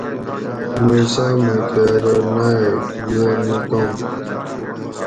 موسیٰ میکہ ارو نایٔک یہ نکانت